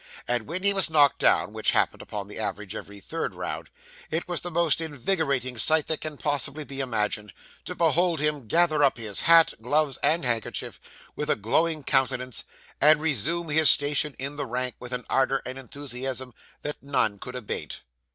And when he was knocked down (which happened upon the average every third round), it was the most invigorating sight that can possibly be imagined, to behold him gather up his hat, gloves, and handkerchief, with a glowing countenance, and resume his station in the rank, with an ardour and enthusiasm that nothing Could abate.